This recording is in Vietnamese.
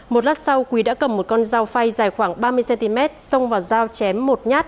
một lát sau quý đã cầm một con dao phay dài khoảng ba mươi cm xông vào dao chém một nhát